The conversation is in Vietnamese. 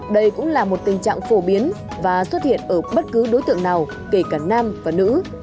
đây cũng là một tình trạng phổ biến và xuất hiện ở bất cứ đối tượng nào kể cả nam và nữ